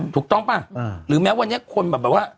ถูกต้องปะอ่าหรือแม้ว่าเนี้ยคนแบบอะไรวะ